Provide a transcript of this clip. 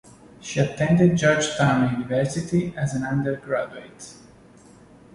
She attended Georgetown University as an undergraduate.